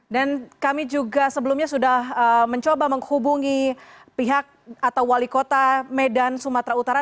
dan kami juga sebelumnya sudah mencoba menghubungi pihak atau wali kota medan sumatera utara